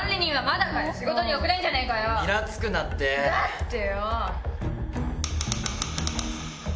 だってよ！